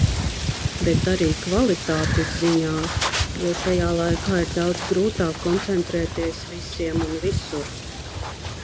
Bet arī kvalitātes ziņā. Jo šajā laikā ir daudz grūtāk koncentrēties visiem un visur.